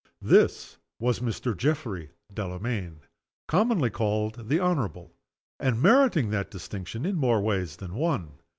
This was Mr. Geoffrey Delamayn commonly called "the honorable;" and meriting that distinction in more ways than one.